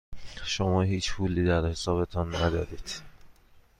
شما هیچ پولی در حسابتان ندارید.